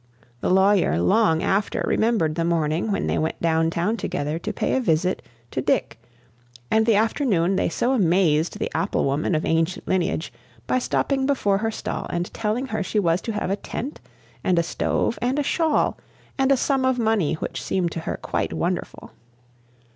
The lawyer long after remembered the morning they went down town together to pay a visit to Dick, and the afternoon they so amazed the apple woman of ancient lineage by stopping before her stall and telling her she was to have a tent, and a stove, and a shawl, and a sum of money which seemed to her quite wonderful.